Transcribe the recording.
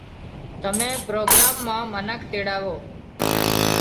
تمين پروگرام مان منک تيڙاوو